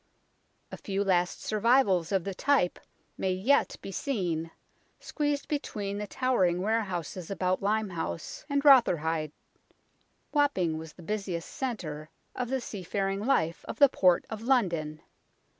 A few last survivals of the type may yet be seen, squeezed between the towering warehouses about Limehouse and Rotherhithe. Wapping was the busiest centre of the seafaring life of the port of London.